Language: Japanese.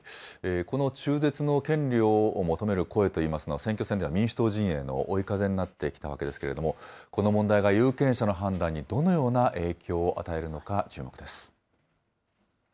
この中絶の権利を求める声といいますのは、選挙戦では民主党陣営の追い風になってきたわけですけれども、この問題が有権者の判断にどのような影響を与えるのか注目です。